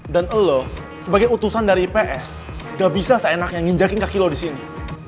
dan lo sebagai utusan dari ps gak bisa seenaknya nginjakin kaki lo di sini